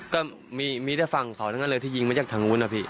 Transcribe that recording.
ก็มีเท่าฝั่งของเขาทั้งนั้นเลยที่ยิงมาจากทางวุ่นครับพี่